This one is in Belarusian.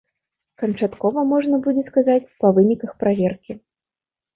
Канчаткова можна будзе сказаць па выніках праверкі.